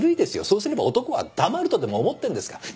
そうすれば男は黙るとでも思ってんですか？